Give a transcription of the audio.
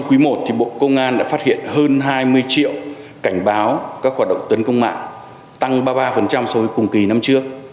quý i bộ công an đã phát hiện hơn hai mươi triệu cảnh báo các hoạt động tấn công mạng tăng ba mươi ba so với cùng kỳ năm trước